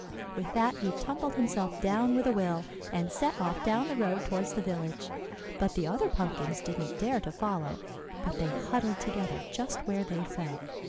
With that he tumbled himself down with a will, and set off down the road towards the village. But the other pumpkins didn't dare to follow, but they huddled together just where they fell.